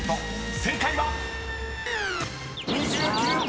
［正解は⁉］